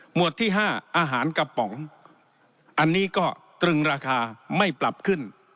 วดที่๕อาหารกระป๋องอันนี้ก็ตรึงราคาไม่ปรับขึ้น